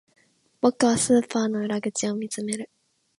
僕はスーパーの裏口を見つめる